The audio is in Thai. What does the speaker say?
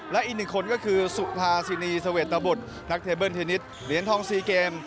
และอีก๑คนก็คือสุธาสินีเสวรตบุตรนักเทเบิลทีนิตเหรียญทองซีเกม